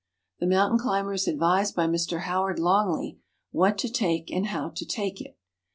The mountain climber is advised by Mr How ard Longley " What to Take and How to Take It."